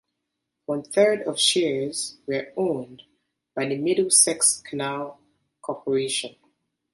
One-third of shares were owned by the Middlesex Canal Corporation.